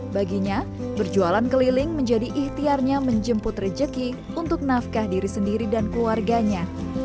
baginya berjualan keliling menjadi ikhtiarnya menjemput rejeki untuk nafkah diri sendiri dan keluarganya